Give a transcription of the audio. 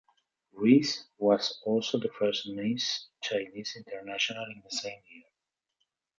Reis was also the first Miss Chinese International in the same year.